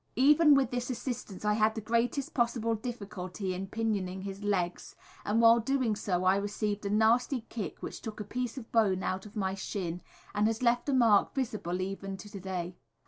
Even with this assistance I had the greatest possible difficulty in pinioning his legs, and while doing so I received a nasty kick which took a piece of bone out of my shin, and has left a mark visible even to day.